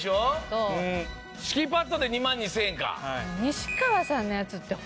敷きパッドで２万２０００円か。